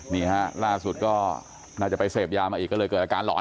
นี่ฮะล่าสุดก็น่าจะไปเสพยามาอีกก็เลยเกิดอาการหลอน